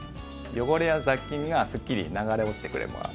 汚れや雑菌がスッキリ流れ落ちてくれます。